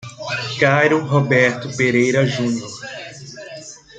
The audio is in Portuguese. Cairo Roberto Pereira Junior